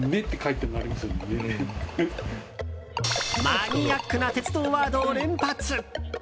マニアックな鉄道ワードを連発。